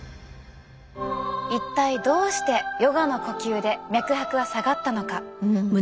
一体どうしてヨガの呼吸で脈拍は下がったのか。